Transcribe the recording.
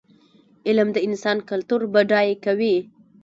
علم د انسان کلتور بډای کوي.